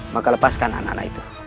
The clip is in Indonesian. maka lepaskan anak anak itu